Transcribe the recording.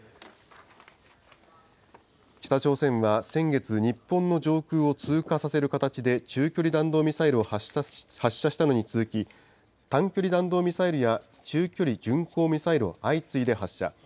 北朝鮮は先月、日本の上空を通過させる形で、中距離弾道ミサイルを発射したのに続き、短距離弾道ミサイルや中距離巡航ミサイルを相次いで発射。